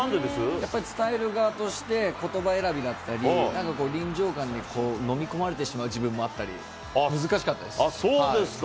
やっぱり伝える側として、ことば選びだったり、なんか臨場感に飲み込まれてしまう自分もあったり、難しかったでそうですか。